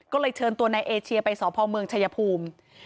ก็เลยเชิญตัวนายเอเชียไปสพเมืองชายภูมิ